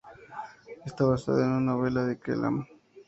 Está basada en una novela de Ke Lan.